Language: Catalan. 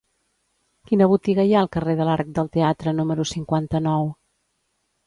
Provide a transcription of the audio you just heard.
Quina botiga hi ha al carrer de l'Arc del Teatre número cinquanta-nou?